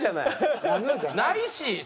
ないし！